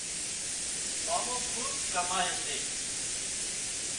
مامو کُوٻ ڪامائي سي